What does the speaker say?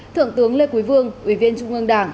thượng tướng lê quý vương ủy viên trung ương đảng